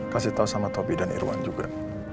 kasih tahu sama tobi dan irwan juga